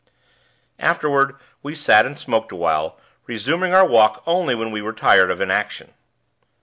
Afterward we sat and smoked awhile, resuming our walk only when we were tired of inaction.